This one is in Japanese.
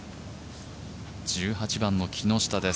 １８番の木下です。